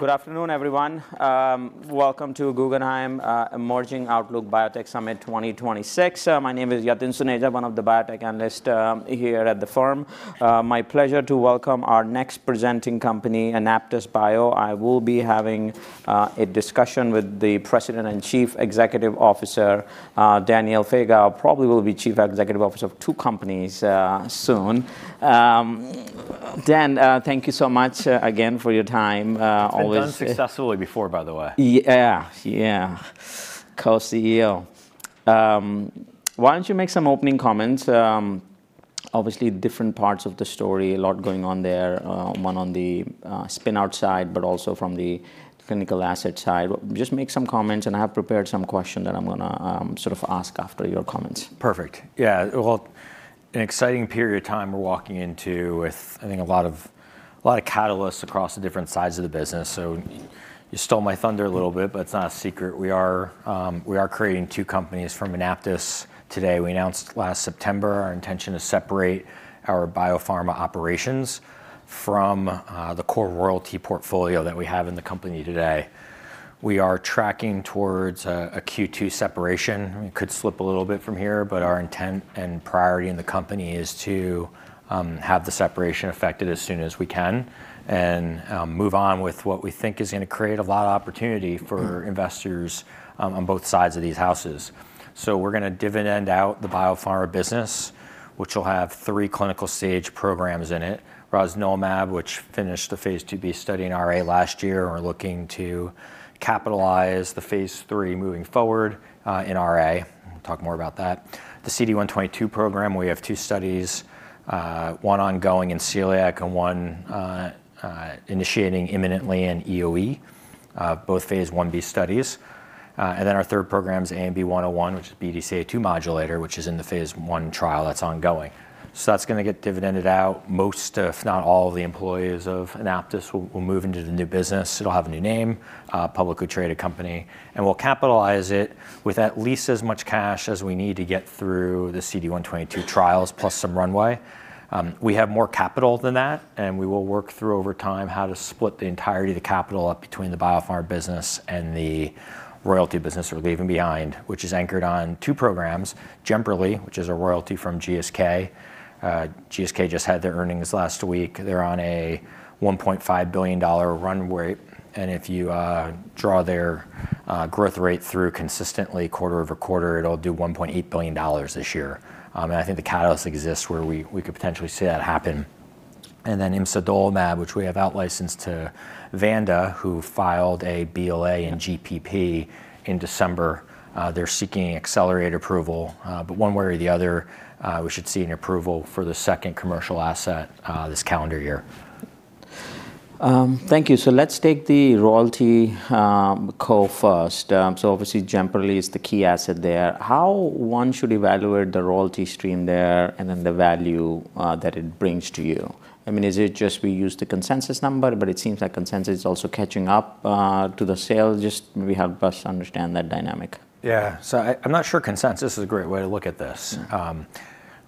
Good afternoon, everyone. Welcome to Guggenheim Emerging Outlook Biotech Summit 2026. My name is Yatin Suneja, one of the biotech analysts here at the firm. My pleasure to welcome our next presenting company, AnaptysBio. I will be having a discussion with the President and Chief Executive Officer, Daniel Faga. Probably will be Chief Executive Officer of two companies, soon. Dan, thank you so much again for your time. Always. I've done successfully before, by the way. Yeah, yeah. Co-CEO, why don't you make some opening comments? Obviously different parts of the story, a lot going on there, one on the spin-out side, but also from the clinical asset side. Just make some comments, and I have prepared some questions that I'm gonna sort of ask after your comments. Perfect. Yeah. Well, an exciting period of time we're walking into with, I think, a lot of a lot of catalysts across the different sides of the business. So you stole my thunder a little bit, but it's not a secret. We are creating two companies from Anaptys today. We announced last September our intention to separate our biopharma operations from the core royalty portfolio that we have in the company today. We are tracking towards a Q2 separation. It could slip a little bit from here, but our intent and priority in the company is to have the separation affected as soon as we can and move on with what we think is gonna create a lot of opportunity for investors on both sides of these houses. So we're gonna dividend out the biopharma business, which will have three clinical stage programs in it. We'll have rosnilimab, which finished the phase 2b study in RA last year, and we're looking to capitalize the phase 3 moving forward, in RA. We'll talk more about that. The CD122 program, we have two studies, one ongoing in celiac and one initiating imminently in EoE, both phase 1b studies. And then our third program is ANB101, which is BDCA2 modulator, which is in the phase 1 trial that's ongoing. So that's gonna get dividended out. Most, if not all, of the employees of Anaptys will move into the new business. It'll have a new name, publicly traded company, and we'll capitalize it with at least as much cash as we need to get through the CD122 trials, plus some run rate. We have more capital than that, and we will work through over time how to split the entirety of the capital up between the biopharma business and the royalty business we're leaving behind, which is anchored on two programs: Jemperli, which is a royalty from GSK. GSK just had their earnings last week. They're on a $1.5 billion run rate. And if you draw their growth rate through consistently quarter-over-quarter, it'll do $1.8 billion this year. And I think the catalysts exist where we could potentially see that happen. And then imsidolimab, which we have outlicensed to Vanda, who filed a BLA in GPP in December. They're seeking accelerated approval, but one way or the other, we should see an approval for the second commercial asset, this calendar year. Thank you. So let's take the royalty co first. So obviously, Jemperli is the key asset there. How one should evaluate the royalty stream there and then the value that it brings to you? I mean, is it just we use the consensus number, but it seems like consensus is also catching up to the sale? Just maybe help us understand that dynamic. Yeah. So I'm not sure consensus is a great way to look at this.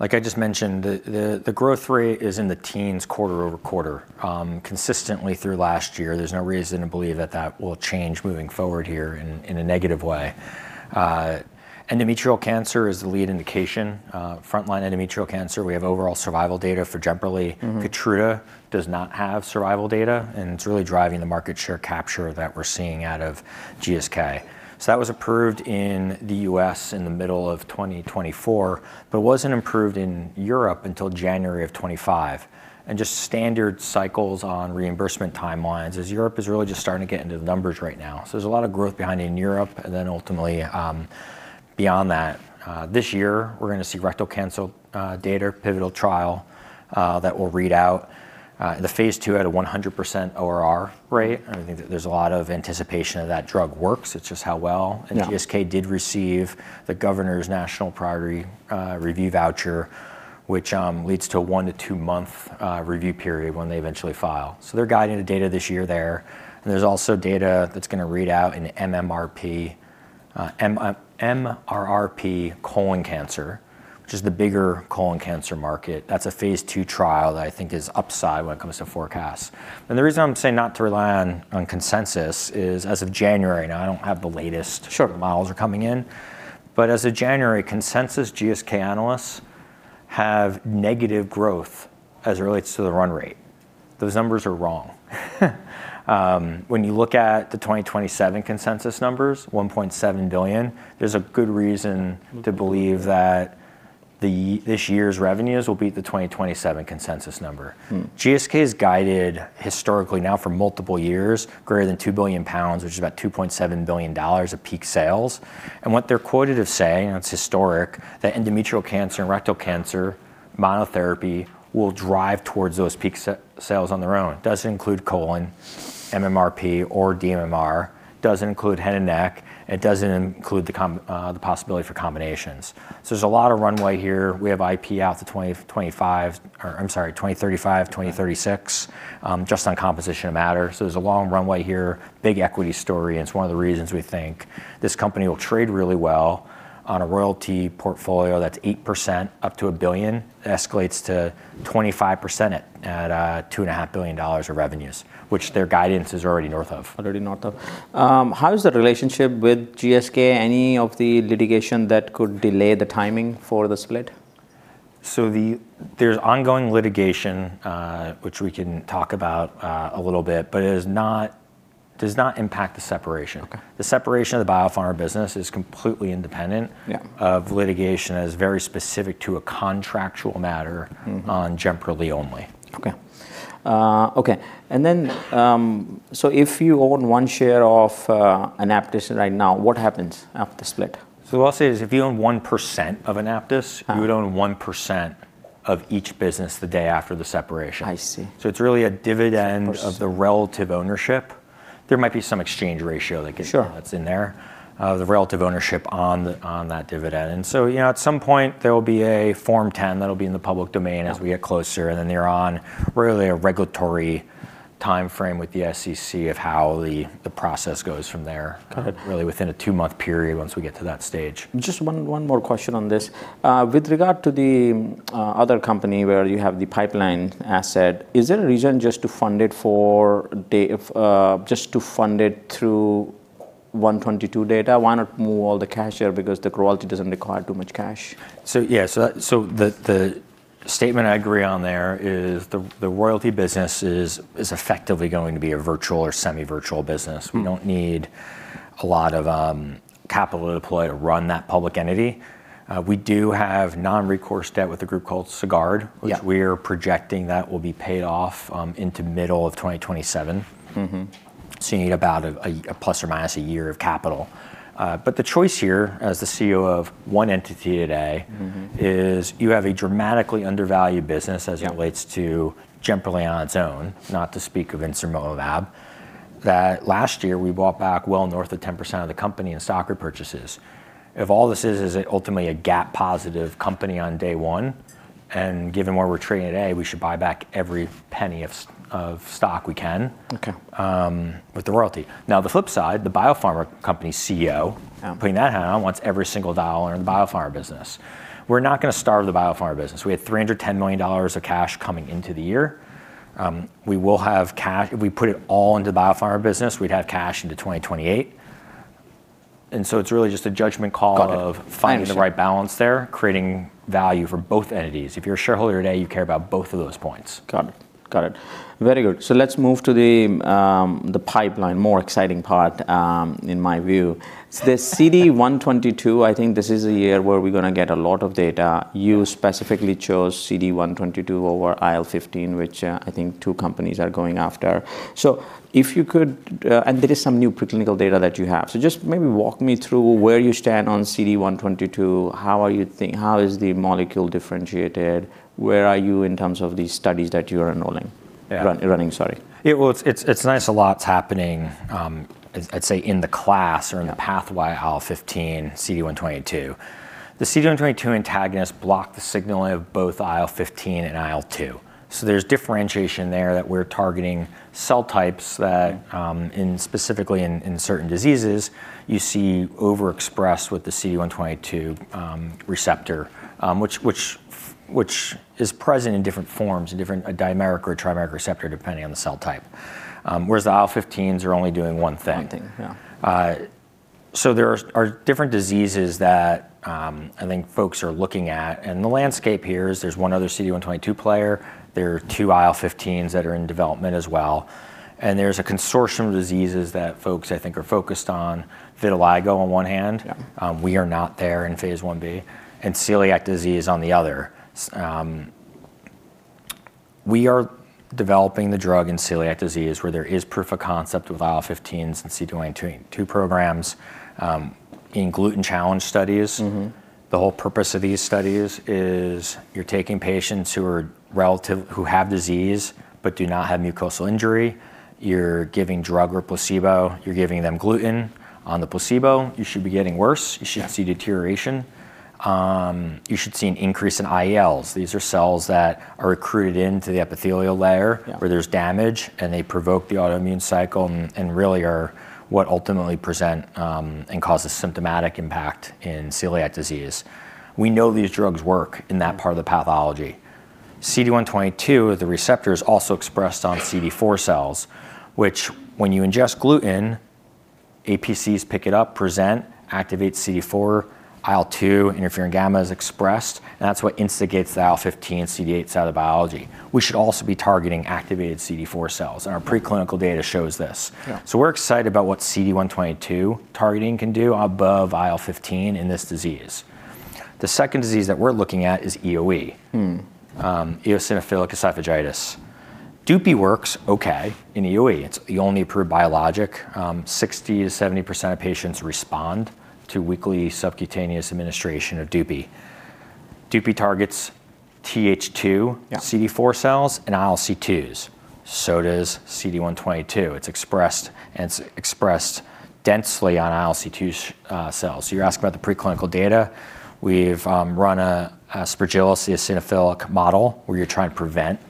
Like I just mentioned, the growth rate is in the teens quarter-over-quarter, consistently through last year. There's no reason to believe that will change moving forward here in a negative way. Endometrial cancer is the lead indication, frontline endometrial cancer. We have overall survival data for Jemperli. Mm-hmm. Keytruda does not have survival data, and it's really driving the market share capture that we're seeing out of GSK. So that was approved in the U.S. in the middle of 2024, but it wasn't approved in Europe until January of 2025. And just standard cycles on reimbursement timelines, as Europe is really just starting to get into the numbers right now. So there's a lot of growth behind it in Europe, and then ultimately, beyond that, this year, we're gonna see rectal cancer data, pivotal trial, that we'll read out. The phase 2 had a 100% ORR rate. I think that there's a lot of anticipation that that drug works. It's just how well. Yeah. GSK did receive the government's national Priority Review Voucher, which leads to a 1-2-month review period when they eventually file. So they're guiding the data this year there. And there's also data that's gonna read out in dMMR colon cancer, which is the bigger colon cancer market. That's a phase 2 trial that I think is upside when it comes to forecasts. And the reason I'm saying not to rely on consensus is as of January now, I don't have the latest. Sure. Models are coming in. But as of January, consensus GSK analysts have negative growth as it relates to the run rate. Those numbers are wrong. When you look at the 2027 consensus numbers, $1.7 billion, there's a good reason to believe that this year's revenues will beat the 2027 consensus number. GSK has guided historically now for multiple years, greater than £2 billion, which is about $2.7 billion of peak sales. And what they're quoted as saying, and it's historic, that endometrial cancer and rectal cancer monotherapy will drive towards those peak sales on their own. Doesn't include colon, pMMR, or dMMR. Doesn't include head and neck. It doesn't include the possibility for combinations. So there's a lot of run rate here. We have IP out to 2025 or I'm sorry, 2035, 2036, just on composition of matter. So there's a long run rate here, big equity story. It's one of the reasons we think this company will trade really well. On a royalty portfolio that's 8% up to $1 billion, it escalates to 25% at $2.5 billion of revenues, which their guidance is already north of. Already north of. How is the relationship with GSK? Any of the litigation that could delay the timing for the split? So there's ongoing litigation, which we can talk about a little bit, but it does not impact the separation. Okay. The separation of the biopharma business is completely independent. Yeah. Of litigation that is very specific to a contractual matter. Mm-hmm. On Jemperli only. Okay. So if you own one share of Anaptys right now, what happens after the split? What I'll say is if you own 1% of Anaptys. Uh-huh. You would own 1% of each business the day after the separation. I see. It's really a dividend. Of the relative ownership. There might be some exchange ratio that get. Sure. That's in there, the relative ownership on the on that dividend. So, you know, at some point, there'll be a Form 10 that'll be in the public domain as we get closer. Then they're on really a regulatory timeframe with the SEC of how the process goes from there. Got it. Really within a 2-month period once we get to that stage. Just one more question on this. With regard to the other company where you have the pipeline asset, is there a reason just to fund it through 122 data? Why not move all the cash there because the royalty doesn't require too much cash? So yeah. So the statement I agree on there is the royalty business is effectively going to be a virtual or semi-virtual business. Mm-hmm. We don't need a lot of capital to deploy to run that public entity. We do have non-recourse debt with a group called Sagard. Mm-hmm. Which we are projecting that will be paid off into middle of 2027. Mm-hmm. So you need about a plus or minus a year of capital. But the choice here as the CEO of one entity today. Mm-hmm. If you have a dramatically undervalued business as it relates to. Yeah. JEMPERLI on its own, not to speak of imsidolimab, that last year we bought back well north of 10% of the company in stock repurchases. If all this is, is it ultimately a cash-positive company on day one? And given where we're trading today, we should buy back every penny of stock we can. Okay. with the royalty. Now, the flip side, the biopharma company CEO. Yeah. Putting that hat on, wants every single dollar in the biopharma business. We're not gonna starve the biopharma business. We had $310 million of cash coming into the year. We will have cash if we put it all into the biopharma business, we'd have cash into 2028. And so it's really just a judgment call. Got it. Of finding the right balance there, creating value for both entities. If you're a shareholder today, you care about both of those points. Got it. Got it. Very good. So let's move to the pipeline, more exciting part, in my view. So the CD122, I think this is a year where we're gonna get a lot of data. You specifically chose CD122 over IL-15, which, I think two companies are going after. So if you could, and there is some new preclinical data that you have. So just maybe walk me through where you stand on CD122. How is the molecule differentiated? Where are you in terms of these studies that you're enrolling? Yeah. Running, sorry. Yeah. Well, it's nice a lot's happening, I'd say in the class or in the pathway IL-15, CD122. The CD122 antagonist blocked the signaling of both IL-15 and IL-2. So there's differentiation there that we're targeting cell types that, in specifically in certain diseases, you see overexpressed with the CD122 receptor, which is present in different forms, in different a dimeric or a trimeric receptor depending on the cell type, whereas the IL-15s are only doing one thing. One thing. Yeah. So there are different diseases that, I think, folks are looking at. The landscape here is there's one other CD122 player. There are two IL-15s that are in development as well. There's a consortium of diseases that folks, I think, are focused on. Vitiligo on one hand. Yeah. We are not there in Phase 1b. And celiac disease on the other. So we are developing the drug in celiac disease where there is proof of concept with IL-15s and CD122 programs, in gluten challenge studies. Mm-hmm. The whole purpose of these studies is you're taking patients who are relatively who have disease but do not have mucosal injury. You're giving drug or placebo. You're giving them gluten. On the placebo, you should be getting worse. You should see deterioration. You should see an increase in IELs. These are cells that are recruited into the epithelial layer. Yeah. Where there's damage, and they provoke the autoimmune cycle and really are what ultimately present and cause a symptomatic impact in celiac disease. We know these drugs work in that part of the pathology. CD122, the receptor, is also expressed on CD4 cells, which when you ingest gluten, APCs pick it up, present, activate CD4, IL-2, interferon gamma is expressed. And that's what instigates the IL-15 and CD8 cell biology. We should also be targeting activated CD4 cells. And our preclinical data shows this. Yeah. So we're excited about what CD122 targeting can do above IL-15 in this disease. The second disease that we're looking at is EOE. Eosinophilic esophagitis. Dupi works okay in EOE. It's the only approved biologic. 60%-70% of patients respond to weekly subcutaneous administration of Dupi. Dupi targets Th2. Yeah. CD4 cells and ILC2s. So does CD122. It's expressed, and it's expressed densely on ILC2s cells. So you're asking about the preclinical data. We've run a spontaneous eosinophilic model where you're trying to prevent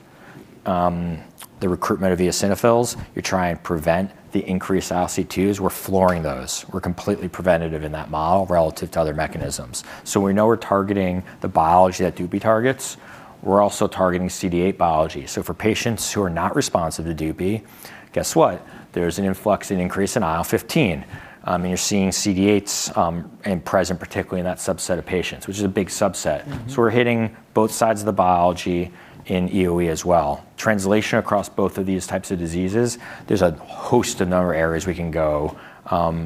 the recruitment of eosinophils. You're trying to prevent the increase in ILC2s. We're flooring those. We're completely preventative in that model relative to other mechanisms. So we know we're targeting the biology that Dupi targets. We're also targeting CD8 biology. So for patients who are not responsive to Dupi, guess what? There's an influx and increase in IL-15, and you're seeing CD8s present, particularly in that subset of patients, which is a big subset. Mm-hmm. So we're hitting both sides of the biology in EOE as well. Translation across both of these types of diseases, there's a host of number of areas we can go,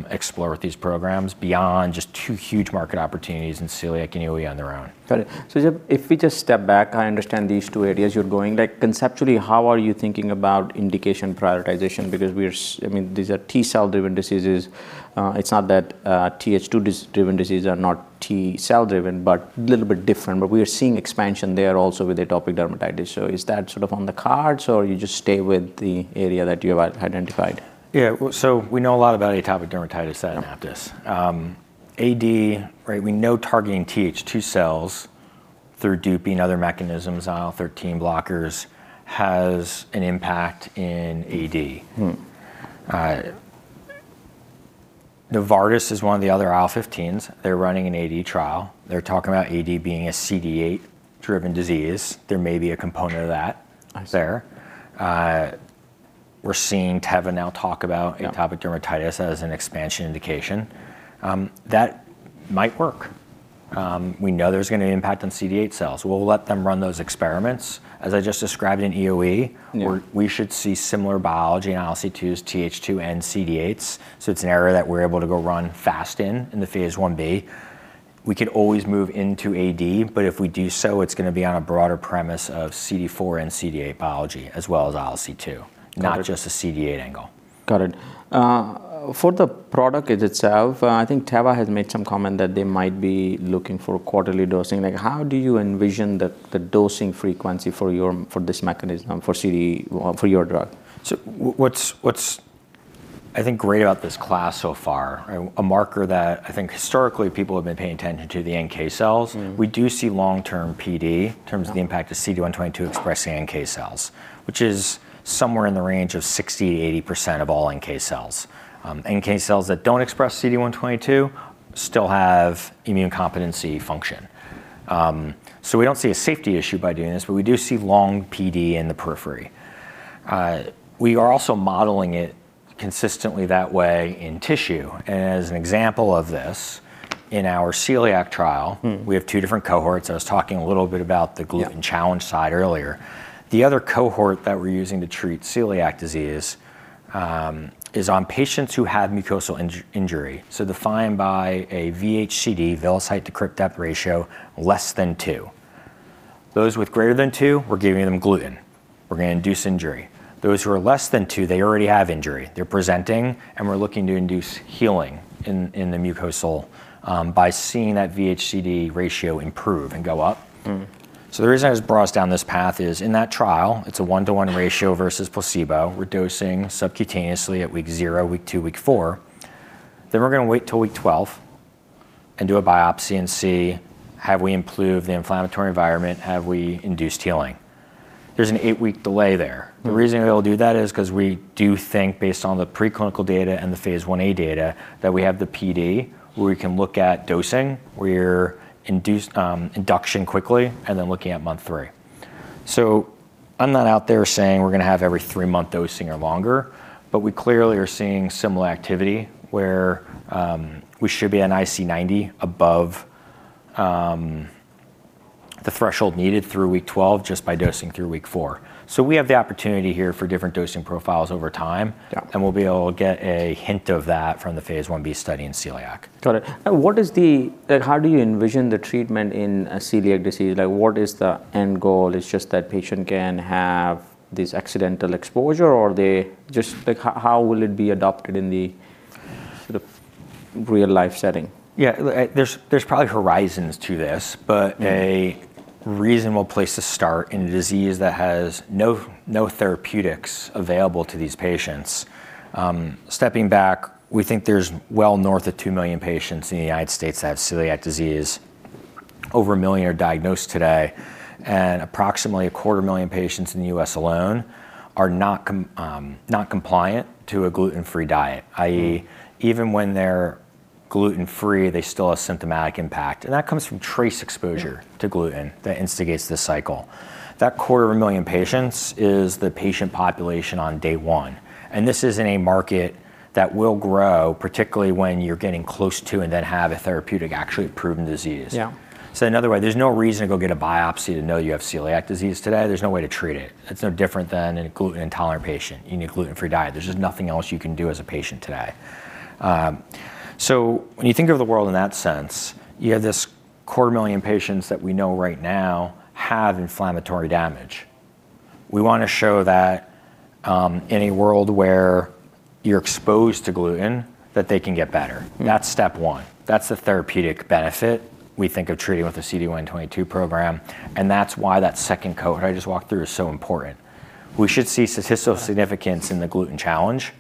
explore with these programs beyond just two huge market opportunities in celiac and EOE on their own. Got it. So just if we just step back, I understand these two areas you're going. Like, conceptually, how are you thinking about indication prioritization? Because we are s I mean, these are T-cell-driven diseases. It's not that Th2-driven diseases are not T-cell-driven, but a little bit different. But we are seeing expansion there also with atopic dermatitis. So is that sort of on the cards, or you just stay with the area that you have identified? Yeah. Well, we know a lot about atopic dermatitis at Anaptys. Yeah. AD, right, we know targeting Th2 cells through Dupi and other mechanisms, IL-13 blockers, has an impact in AD. Novartis is one of the other IL-15s. They're running an AD trial. They're talking about AD being a CD8-driven disease. There may be a component of that. I see. There, we're seeing Teva now talk about. Yeah. Atopic dermatitis as an expansion indication. That might work. We know there's gonna be an impact on CD8 cells. We'll let them run those experiments. As I just described in EOE. Yeah. We should see similar biology in ILC2s, Th2, and CD8s. So it's an area that we're able to go run fast in, in the phase 1b. We could always move into AD, but if we do so, it's gonna be on a broader premise of CD4 and CD8 biology as well as ILC2. Got it. Not just a CD8 angle. Got it. For the product itself, I think Teva has made some comment that they might be looking for quarterly dosing. Like, how do you envision the dosing frequency for your, for this mechanism for CD—well, for your drug? So what's, I think, great about this class so far, right, a marker that I think historically, people have been paying attention to, the NK cells. Mm-hmm. We do see long-term PD in terms of the impact of CD122 expressing NK cells, which is somewhere in the range of 60%-80% of all NK cells. NK cells that don't express CD122 still have immune competency function. So we don't see a safety issue by doing this, but we do see long PD in the periphery. We are also modeling it consistently that way in tissue. And as an example of this, in our celiac trial. We have two different cohorts. I was talking a little bit about the gluten. Yeah. Challenge side earlier. The other cohort that we're using to treat celiac disease is on patients who have mucosal injury. So defined by a VHCD, villous height-to-crypt depth ratio, less than 2. Those with greater than 2, we're giving them gluten. We're gonna induce injury. Those who are less than 2, they already have injury. They're presenting, and we're looking to induce healing in the mucosal by seeing that VHCD ratio improve and go up. So the reason I just brought us down this path is in that trial, it's a 1:1 ratio versus placebo. We're dosing subcutaneously at week 0, week 2, week 4. Then we're gonna wait till week 12 and do a biopsy and see, have we improved the inflammatory environment? Have we induced healing? There's an 8-week delay there. Mm-hmm. The reason we'll do that is 'cause we do think, based on the preclinical data and the Phase 1A data, that we have the PD where we can look at dosing, where you're induced, induction quickly, and then looking at month 3. So I'm not out there saying we're gonna have every 3-month dosing or longer, but we clearly are seeing similar activity where we should be at an IC90 above the threshold needed through week 12 just by dosing through week 4. So we have the opportunity here for different dosing profiles over time. Yeah. We'll be able to get a hint of that from the phase 1b study in celiac. Got it. What is the like, how do you envision the treatment in celiac disease? Like, what is the end goal? It's just that patient can have this accidental exposure, or they just like, how will it be adopted in the sort of real-life setting? Yeah. Like, there's, there's probably horizons to this, but. Mm-hmm. A reasonable place to start in a disease that has no therapeutics available to these patients. Stepping back, we think there's well north of 2 million patients in the United States that have celiac disease. Over 1 million are diagnosed today. Approximately 250,000 patients in the U.S. alone are not compliant to a gluten-free diet. Mm-hmm. Even when they're gluten-free, they still have symptomatic impact. And that comes from trace exposure to gluten that instigates this cycle. That 250,000 patients is the patient population on day one. And this is in a market that will grow, particularly when you're getting close to and then have a therapeutic actually proven disease. Yeah. So in other words, there's no reason to go get a biopsy to know you have celiac disease today. There's no way to treat it. It's no different than a gluten-intolerant patient. You need a gluten-free diet. There's just nothing else you can do as a patient today. So when you think of the world in that sense, you have this 250,000 patients that we know right now have inflammatory damage. We wanna show that, in a world where you're exposed to gluten, that they can get better. Mm-hmm. That's step one. That's the therapeutic benefit we think of treating with the CD122 program. That's why that second cohort I just walked through is so important. We should see statistical significance in the gluten challenge,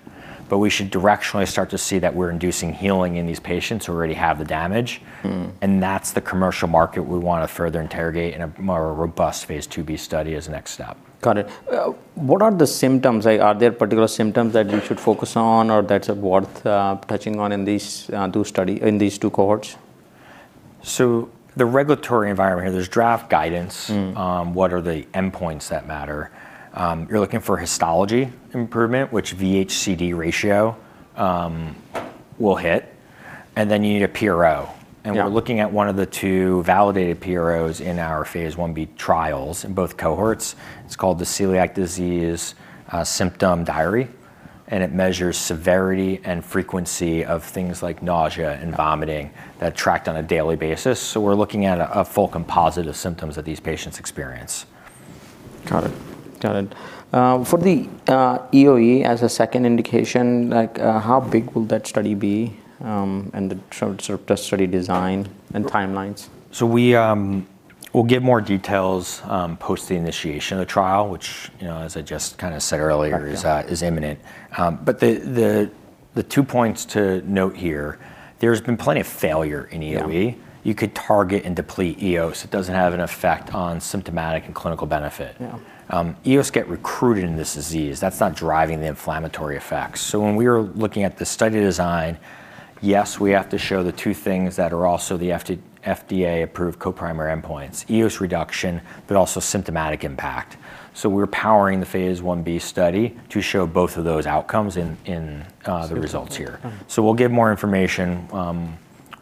but we should directionally start to see that we're inducing healing in these patients who already have the damage. That's the commercial market we wanna further interrogate in a more robust phase 2b study as a next step. Got it. What are the symptoms? Like, are there particular symptoms that you should focus on or that's worth touching on in these two studies in these two cohorts? So the regulatory environment here, there's draft guidance. What are the endpoints that matter? You're looking for histology improvement, which VHCD ratio will hit. Then you need a PRO. Yeah. We're looking at one of the two validated PROs in our phase 1b trials in both cohorts. It's called the Celiac Disease Symptom Diary. It measures severity and frequency of things like nausea and vomiting that are tracked on a daily basis. We're looking at a full composite of symptoms that these patients experience. Got it. Got it. For the EOE as a second indication, like, how big will that study be, and the sort of test study design and timelines? So we'll give more details post the initiation of the trial, which, you know, as I just kinda said earlier. Okay. Is imminent. But the two points to note here, there's been plenty of failure in EOE. Yeah. You could target and deplete EOE. It doesn't have an effect on symptomatic and clinical benefit. Yeah. Eosinophils get recruited in this disease. That's not driving the inflammatory effects. So when we are looking at the study design, yes, we have to show the two things that are also the FDA-approved coprimary endpoints: eosinophils reduction but also symptomatic impact. So we're powering the phase 1b study to show both of those outcomes in the results here. Okay. We'll give more information,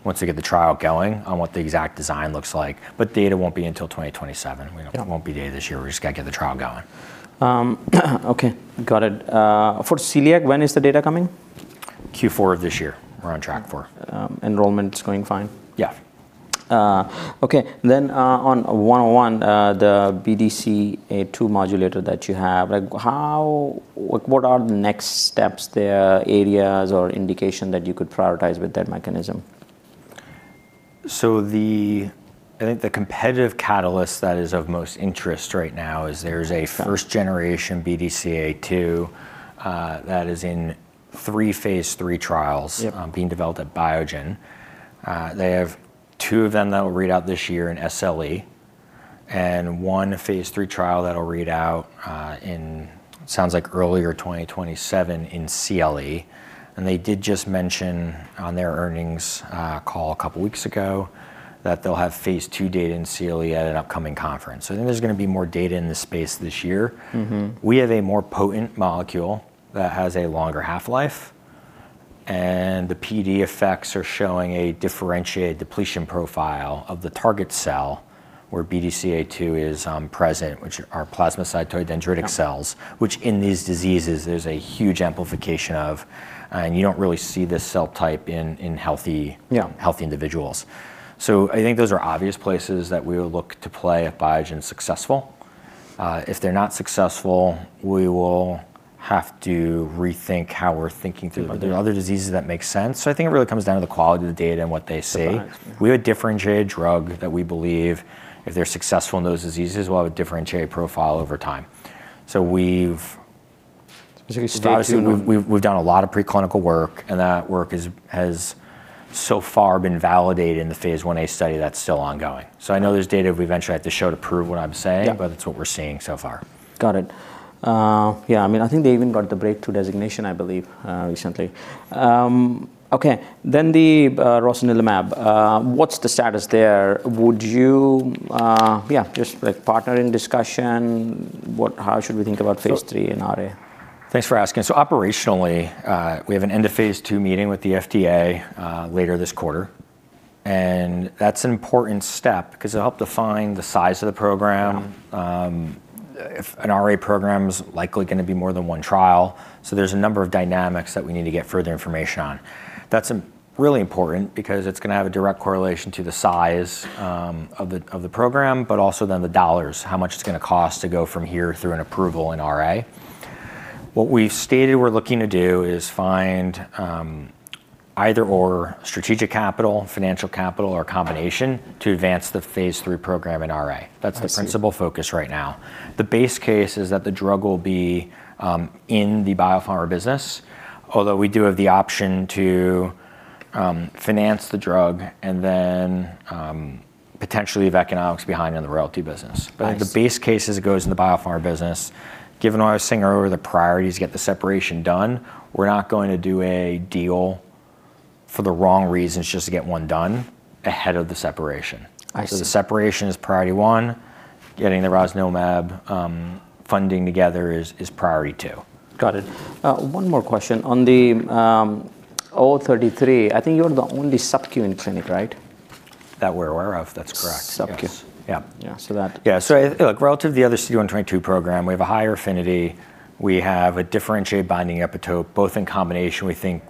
once we get the trial going on what the exact design looks like. But data won't be until 2027. We don't. Yeah. Won't be data this year. We just gotta get the trial going. Okay. Got it. For celiac, when is the data coming? Q4 of this year. We're on track for. Enrollment's going fine? Yeah. Okay. Then, on 101, the BDCA2 modulator that you have, like, how like, what are the next steps there, areas, or indication that you could prioritize with that mechanism? So, I think the competitive catalyst that is of most interest right now is there's a first-generation BDCA2 that is in three phase 3 trials. Yep. being developed at Biogen. They have two of them that'll read out this year in SLE and one phase 3 trial that'll read out, it sounds like, earlier 2027 in CLE. And they did just mention on their earnings call a couple weeks ago that they'll have phase 2 data in CLE at an upcoming conference. So I think there's gonna be more data in this space this year. Mm-hmm. We have a more potent molecule that has a longer half-life. The PD effects are showing a differentiated depletion profile of the target cell where BDCA2 is present, which are plasmacytoid dendritic cells. Yeah. Which, in these diseases, there's a huge amplification of, and you don't really see this cell type in healthy. Yeah. Healthy individuals. So I think those are obvious places that we will look to play at Biogen successful. If they're not successful, we will have to rethink how we're thinking through. Okay. But there are other diseases that make sense. So I think it really comes down to the quality of the data and what they say. Okay. We have a differentiated drug that we believe if they're successful in those diseases, we'll have a differentiated profile over time. So we've. Specifically stage 2? We've done a lot of preclinical work, and that work has so far been validated in the Phase 1a study that's still ongoing. So I know there's data we eventually have to show to prove what I'm saying. Yeah. But that's what we're seeing so far. Got it. Yeah. I mean, I think they even got the breakthrough designation, I believe, recently. Okay. Then the rosnilimab. What's the status there? Would you, yeah, just, like, partner in discussion? What, how should we think about Phase 3 and RA? Thanks for asking. So operationally, we have an end-of-phase 2 meeting with the FDA, later this quarter. And that's an important step 'cause it'll help define the size of the program. Yeah. If an RA program's likely gonna be more than one trial. So there's a number of dynamics that we need to get further information on. That's really important because it's gonna have a direct correlation to the size of the program but also then the dollars, how much it's gonna cost to go from here through an approval in RA. What we've stated we're looking to do is find, either/or strategic capital, financial capital, or a combination to advance the phase 3 program in RA. Okay. That's the principal focus right now. The base case is that the drug will be, in the biopharma business, although we do have the option to, finance the drug and then, potentially leave economics behind in the royalty business. Okay. But the base case is it goes in the biopharma business. Given what I was saying earlier, the priority is to get the separation done. We're not going to do a deal for the wrong reasons just to get one done ahead of the separation. I see. The separation is priority one. Getting the rosnilimab funding together is priority two. Got it. One more question. On the 033, I think you're the only subQ in clinic, right? That we're aware of. That's correct. SubQ. Yes. Yeah. Yeah. So that. Yeah. So, like, relative to the other CD122 program, we have a higher affinity. We have a differentiated binding epitope. Both in combination, we think,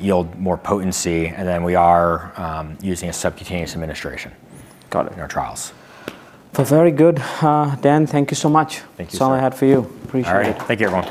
yield more potency. And then we are using a subcutaneous administration. Got it. In our trials. For very good. Dan, thank you so much. Thank you so much. It's all I had for you. Appreciate it. All right. Thank you very much.